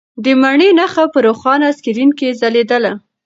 د مڼې نښه په روښانه سکرین کې ځلېدله.